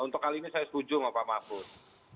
untuk kali ini saya setuju mbak mahfud